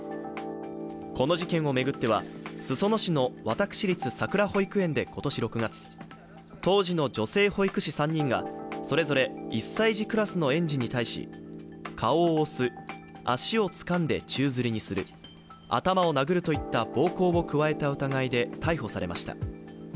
この事件を巡っては、裾野市の私立さくら保育園で今年６月、当時の女性保育士３人がそれぞれ１歳児クラスの園児に対し顔を押す、足をつかんで宙づりにする、頭を殴るといった暴行を加えた疑いで逮捕されました。